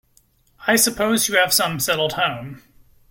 I suppose you have some settled home.